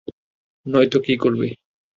নয়ত কি করবে?